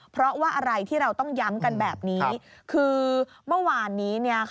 เพราะว่าอะไรที่เราต้องย้ำกันแบบนี้